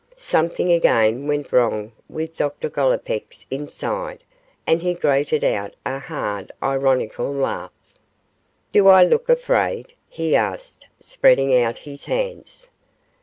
Something again went wrong with Dr Gollipeck's inside, and he grated out a hard ironical laugh. 'Do I look afraid?' he asked, spreading out his hands.